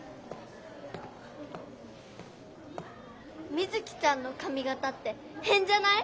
ミズキちゃんのかみがたってへんじゃない？